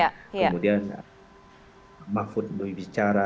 kemudian makfud bicara